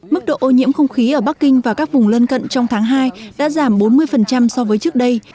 mức độ ô nhiễm không khí ở bắc kinh và các vùng lân cận trong tháng hai đã giảm bốn mươi so với trước đây